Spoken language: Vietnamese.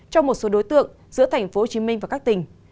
cho một số đối tượng giữa tp hcm và các tỉnh